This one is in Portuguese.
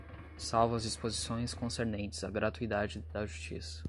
Salvo as disposições concernentes à gratuidade da justiça